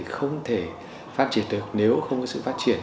không thể phát triển được nếu không có sự phát triển